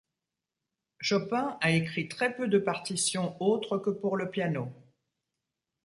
Chopin a écrit très peu de partitions autres que pour le piano.